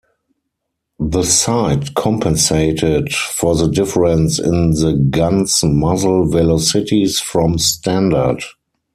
The sight compensated for the difference in the gun's muzzle velocities from standard.